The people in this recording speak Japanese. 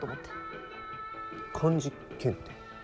漢字検定？